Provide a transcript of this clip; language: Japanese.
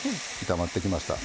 炒まってきました。